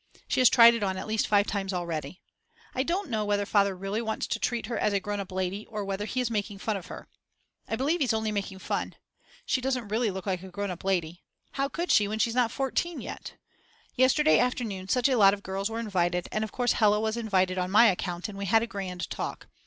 She has tried it on at least five times already. I don't know whether Father really wants to treat her as a grown up lady or whether he is making fun of her. I believe he's only making fun. She doesn't really look like a grown up lady. How could she when she's not 14 yet? Yesterday afternoon such a lot of girls were invited, and of course Hella was invited on my account and we had a grand talk.